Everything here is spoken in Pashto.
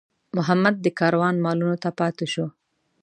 محمد د کاروان مالونو ته پاتې شو.